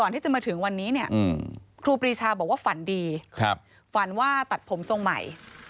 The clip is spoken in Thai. ที่จะมาถึงวันนี้เนี่ยครูปรีชาบอกว่าฝันดีฝันว่าตัดผมทรงใหม่